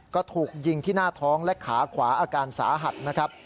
ก็ถูกยิงที่หน้าท้องและขาขวาอาการสาหัสนะครับ